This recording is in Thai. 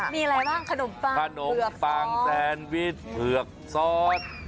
มีอะไรบ้างขนมปังผือกซอส